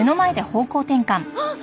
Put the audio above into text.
あっ。